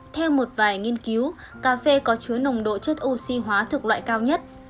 theo một vài nghiên cứu cà phê có chứa nồng độ chất oxy hóa thực loại cao nhất